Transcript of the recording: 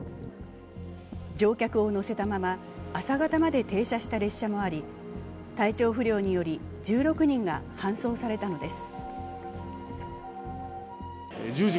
乗客を乗せたまま、朝方まで停車した列車もあり体調不良により１６人が搬送されたのです。